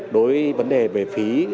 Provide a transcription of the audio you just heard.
đối với vấn đề về phí